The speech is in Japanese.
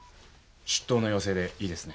出頭の要請でいいですね？